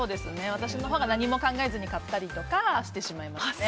私のほうが何も考えずに買ったりとかしてしまいますね。